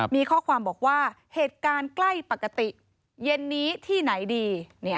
มีข้อความบอกว่าเหตุการณ์ใกล้ปกติเย็นนี้ที่ไหนดี